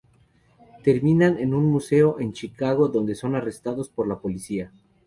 Terminan en un museo en Chicago donde son arrestados por la policía.